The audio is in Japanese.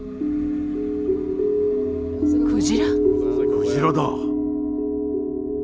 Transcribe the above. クジラだ！